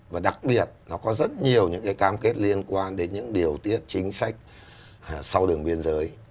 và đặc biệt nó có rất nhiều những cái cam kết liên quan đến những điều tiết chính sách sau đường biên giới